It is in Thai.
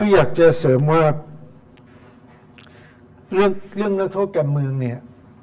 อยากจะเสริมว่าเรื่องนักโทษการเมืองเนี่ย